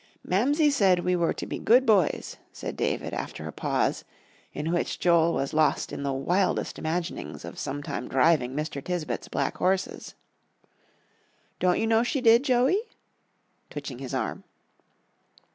"Mamsie said we were to be good boys," said David, after a pause, in which Joel was lost in the wildest imaginings of sometime driving Mr. Tisbett's black horses. "Don't you know she did, Joey?" twitching his arm.